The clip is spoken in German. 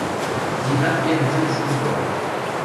Sie hat ihren Sitz in Bonn.